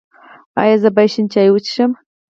ایا زه باید شین چای وڅښم؟